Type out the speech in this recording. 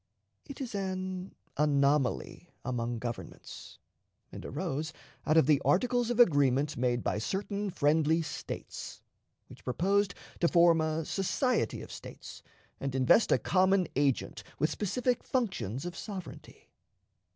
It is an anomaly among governments, and arose out of the articles of agreement made by certain friendly States, which proposed to form a society of States and invest a common agent with specified functions of sovereignty.